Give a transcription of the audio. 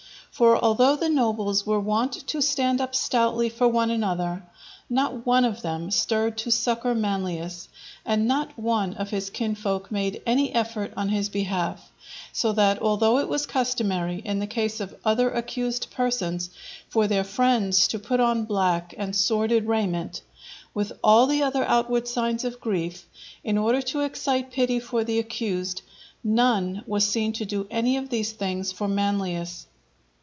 For although the nobles were wont to stand up stoutly for one another, not one of them stirred to succour Manlius, and not one of his kinsfolk made any effort on his behalf, so that although it was customary, in the case of other accused persons, for their friends to put on black and sordid raiment, with all the other outward signs of grief, in order to excite pity for the accused, none was seen to do any of these things for Manlius.